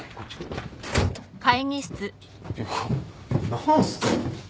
何すか？